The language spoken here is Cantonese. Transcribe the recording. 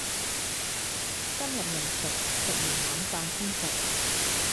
今日未食，食完晚飯先食